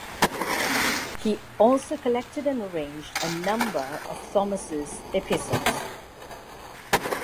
He also collected and arranged a number of Thomas' epistles.